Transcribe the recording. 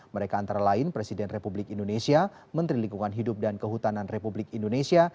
mereka antara lain presiden republik indonesia menteri lingkungan hidup dan kehutanan republik indonesia